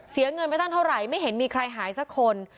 เสียเงินไปตั้งเท่าไหร่ไม่เห็นมีใครหายสักคน